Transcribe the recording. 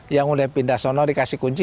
yang udah pindah sono dikasih kunci